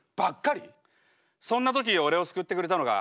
そんな時俺を救ってくれたのが。